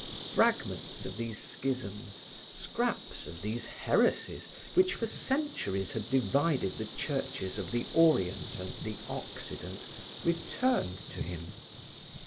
Fragments of these schisms, scraps of these heresies which for centuries had divided the Churches of the Orient and the Occident, returned to him.